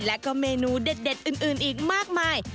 และก็เมนูเด็ดอื่นอีกมากมาย